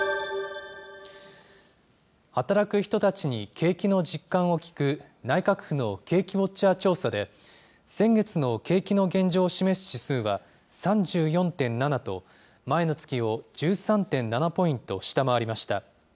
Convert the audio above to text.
働く人たちに景気の実感を聞く、内閣府の景気ウォッチャー調査で、先月の景気の現状を示す指数は、３４．７と、前の月を１３．７ポイント下回りました。